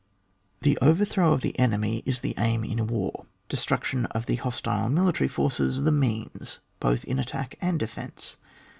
The overthrow of the enemy is the aim in war ; destruction of the hostile mili tary forces, the means both in attack and defence.